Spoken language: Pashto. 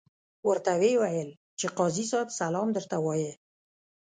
ورته ویې ویل چې قاضي صاحب سلام درته وایه.